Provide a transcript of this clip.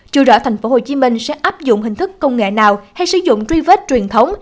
trừ rõ tp hcm sẽ áp dụng hình thức công nghệ nào hay sử dụng truy vết truyền thống